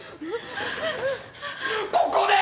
ここで！？